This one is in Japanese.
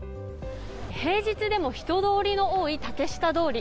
平日でも人通りの多い竹下通り。